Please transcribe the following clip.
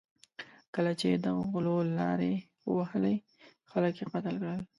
کله چې دغو غلو لارې ووهلې، خلک یې قتل کړل.